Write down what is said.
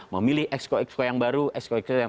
memilih expo expo yang baru expo expo yang